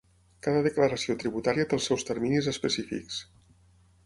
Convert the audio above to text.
Cada declaració tributària té els seus terminis específics.